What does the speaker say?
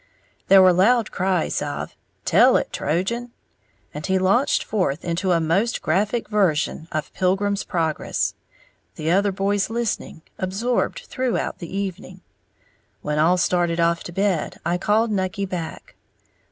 There were loud cries of, "Tell it, Trojan!"; and he launched forth into a most graphic version of Pilgrim's Progress, the other boys listening absorbed throughout the evening. When all started off to bed, I called Nucky back.